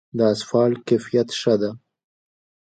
د اسفالټ کیفیت ښه دی؟